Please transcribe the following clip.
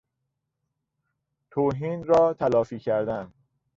توهین را تلافی کردن